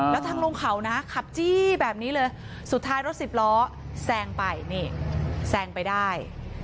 แล้วทางลงเขานะขับจี้แบบนี้เลยสุดท้ายรถสิบล้อแซงไปนี่แซงไปได้